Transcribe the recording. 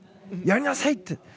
やりなさい！って。